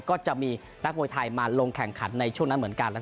ก็จะมีนักมวยไทยมาลงแข่งขันในช่วงนั้นเหมือนกัน